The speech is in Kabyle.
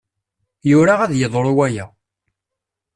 Yura ad yeḍru waya.